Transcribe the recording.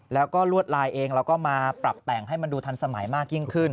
แล้วก็ลวดลายเองเราก็มาปรับแต่งให้มันดูทันสมัยมากยิ่งขึ้น